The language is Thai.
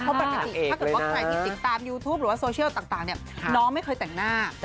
ถ้าใครติดติดตามยูทูปหรือว่าโซเชียลต่างเนี่ยน้องไม่เคยแต่งหน้า